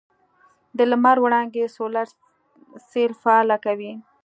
د لمر وړانګې سولر سیل فعاله کوي.